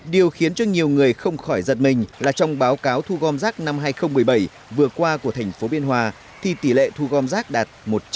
điều khiến cho nhiều người không khỏi giật mình là trong báo cáo thu gom rác năm hai nghìn một mươi bảy vừa qua của thành phố biên hòa thì tỷ lệ thu gom rác đạt một trăm linh